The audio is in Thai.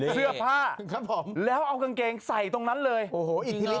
เสื้อผ้าครับผมแล้วเอากางเกงใส่ตรงนั้นเลยโอ้โหอีกทีนี้